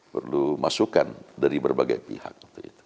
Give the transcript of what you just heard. perlu masukan dari berbagai pihak